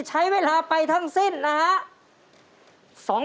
ใช้เวลาไปทั้งสิ้นนะฮะ